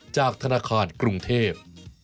จากธนาคารกรุงเทพ